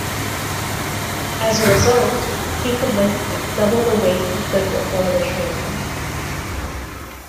As a result, he could lift double the weight he could before the training.